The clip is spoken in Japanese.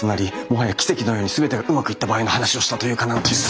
もはや奇跡のように全てがうまくいった場合の話をしたというか何というか。